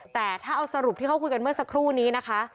แต่ถ้าเอาสรุปที่เขาคุยกันเมื่อสักครู่นี้นะคะ